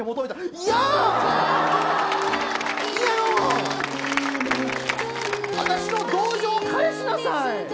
いやよ！あたしの同情を返しなさい！